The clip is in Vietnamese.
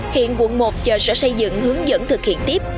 hiện quận một giờ sẽ xây dựng hướng dẫn thực tế